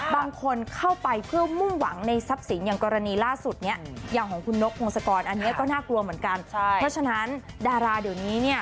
บางคนเข้าไปเพื่อมุ่งหวังในทรัพย์สินอย่างกรณีล่าสุดเนี่ย